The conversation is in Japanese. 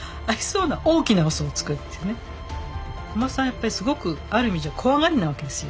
やっぱりすごくある意味じゃ怖がりなわけですよ。